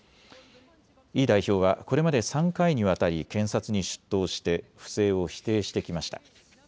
イ代表はこれまで３回にわたり検察に出頭して不正を否定してきました。